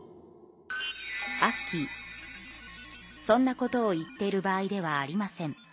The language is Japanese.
アッキーそんなことを言っている場合ではありません。です。